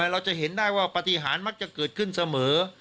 เราจะเห็นได้ว่าปฏิหารมักจะเกิดขึ้นเสมอ